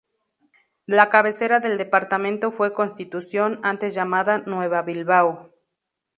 La cabecera del departamento fue Constitución, antes llamada Nueva Bilbao.